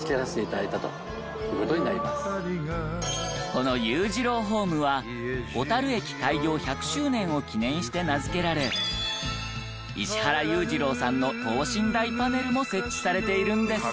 この裕次郎ホームは小樽駅開業１００周年を記念して名付けられ石原裕次郎さんの等身大パネルも設置されているんです。